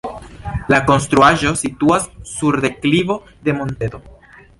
La konstruaĵo situas sur deklivo de monteto.